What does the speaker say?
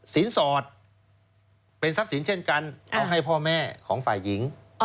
สอดเป็นทรัพย์สินเช่นกันต้องให้พ่อแม่ของฝ่ายหญิง